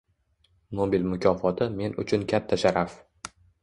Nobel mukofoti men uchun katta sharaf